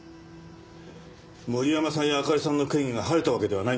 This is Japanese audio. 森山さんやあかりさんの嫌疑が晴れたわけではないんですよ。